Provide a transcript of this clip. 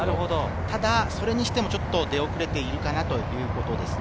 ただ、それにしても出遅れているかなということですね。